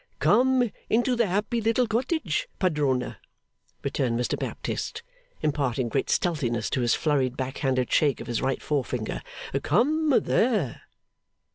'Come into the happy little cottage, Padrona,' returned Mr Baptist, imparting great stealthiness to his flurried back handed shake of his right forefinger. 'Come there!